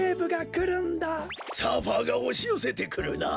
サーファーがおしよせてくるな。